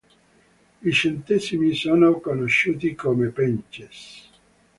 I centesimi sono conosciuti come "pences".